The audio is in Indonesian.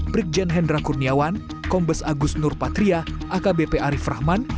brigjen hendra kurniawan kombes agus nurpatria akbp arief rahman